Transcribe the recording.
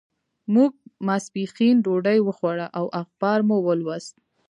موږ ماسپښین ډوډۍ وخوړه او اخبار مو ولوست.